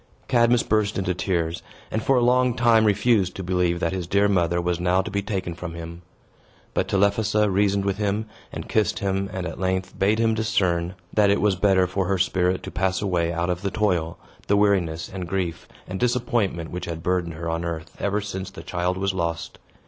Cadmus burst into tears, and, for a long time, refused to believe that his dear mother was now to be taken from him. But Telephassa reasoned with him, and kissed him, and at length made him discern that it was better for her spirit to pass away out of the toil, the weariness, and grief, and disappointment which had burdened her on earth, ever since the child was lost.